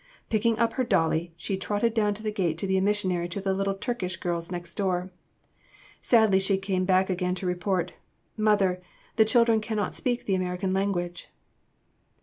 Picking up her dolly, she trotted down to the gate to be a missionary to the little Turkish girls next door. Sadly she came back again to report, "Mother, the children cannot speak the American language."